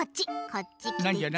こっちきてち。